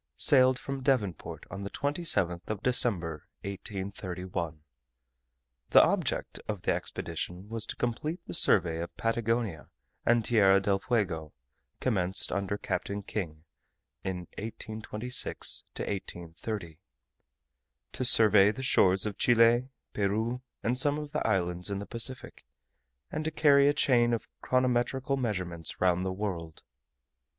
sailed from Devonport on the 27th of December, 1831. The object of the expedition was to complete the survey of Patagonia and Tierra del Fuego, commenced under Captain King in 1826 to 1830, to survey the shores of Chile, Peru, and of some islands in the Pacific and to carry a chain of chronometrical measurements round the World.